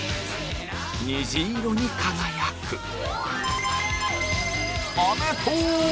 虹色に輝く